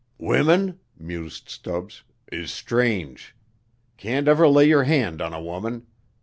"Women," mused Stubbs, "is strange. Can't never lay your hand on a woman.